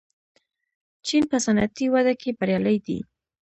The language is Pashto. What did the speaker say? چین په صنعتي وده کې بریالی دی.